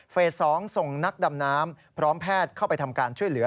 ๒ส่งนักดำน้ำพร้อมแพทย์เข้าไปทำการช่วยเหลือ